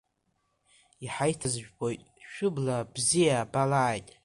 Иҳаиҭаз жәбоит, шәыбла абзиа абалааит.